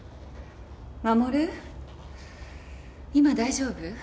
衛今大丈夫？